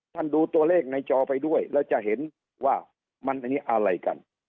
ดูตัวเลขในจอไปด้วยแล้วจะเห็นว่ามันอันนี้อะไรกัน